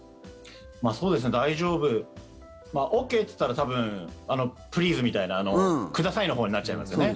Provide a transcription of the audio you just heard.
大丈夫ＯＫと言ったら多分、プリーズみたいなくださいのほうになっちゃいますよね。